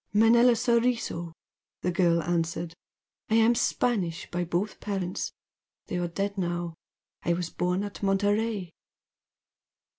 "Manella Soriso" the girl answered "I am Spanish by both parents, they are dead now. I was born at Monterey."